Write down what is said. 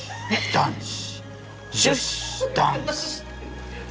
男子！